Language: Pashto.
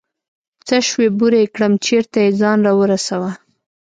څه سوې بوره يې كړم چېرته يې ځان راورسوه.